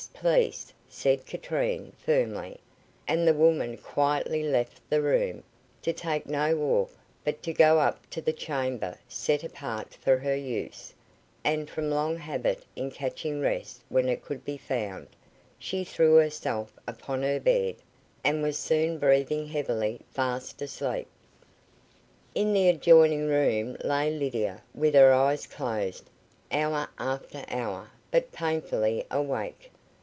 Please," said Katrine, firmly; and the woman quietly left the room, to take no walk, but to go up to the chamber set apart for her use, and, from long habit in catching rest when it could be found, she threw herself upon her bed, and was soon breathing heavily fast asleep. In the adjoining room lay Lydia, with her eyes closed, hour after hour, but painfully awake.